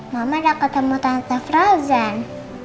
mama udah ketemu tante frozen